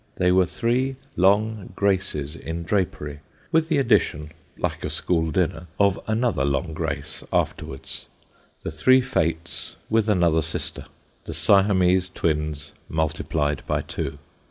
They were three long graces in drapery, with the addition, like a school dinner, of another long grace afterwards the three fates with another sister the Siamese twins multiplied by two.